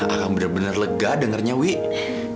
akang bener bener lega dengernya wih